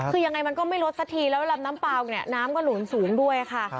คือยังไงมันก็ไม่ลดสักทีแล้วลำน้ำเปล่าเนี่ยน้ำก็หนุนสูงด้วยค่ะ